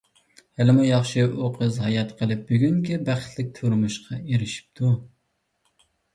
ھېلىمۇ ياخشى ئۇ قىز ھايات قېلىپ بۈگۈنكى بەختلىك تۇرمۇشقا ئېرىشىپتۇ.